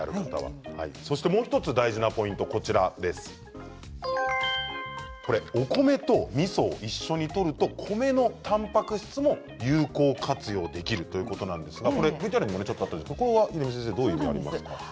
もう１つ大事なポイントはお米とみそを一緒にとると米のたんぱく質も有効活用できるということなんですがＶＴＲにも、ちょっとありますがどういうことですか？